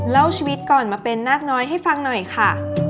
เล่าชีวิตก่อนมาเป็นนาคน้อยให้ฟังหน่อยค่ะ